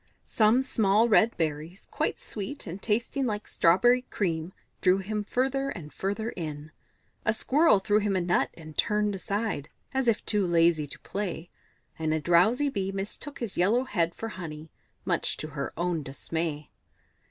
Some small red berries, quite sweet and tasting like strawberry cream, drew him further and further in; a Squirrel threw him a nut and turned aside, as if too lazy to play, and a drowsy Bee mistook his yellow head for honey, much to her own dismay.